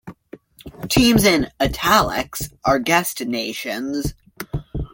Teams in "italics" are guest nations.